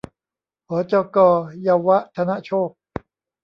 หจก.เยาวธนโชค